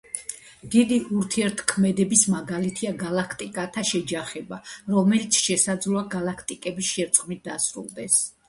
დიდი ურთიერთქმედების მაგალითია გალაქტიკათა შეჯახება, რომელიც შესაძლოა გალაქტიკების შერწყმით დასრულდეს.